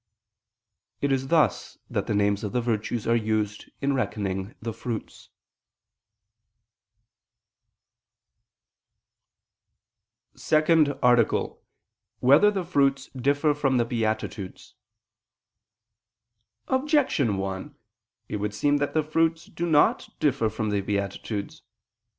It is thus that the names of the virtues are used in reckoning the fruits. ________________________ SECOND ARTICLE [I II, Q. 70, Art. 2] Whether the Fruits Differ from the Beatitudes? Objection 1: It would seem that the fruits do not differ from the beatitudes.